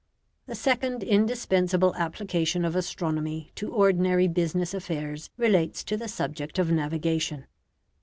The second indispensable application of astronomy to ordinary business affairs relates to the subject of navigation.